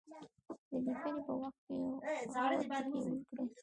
د لیکني په وخت کې غور پکې وکړي.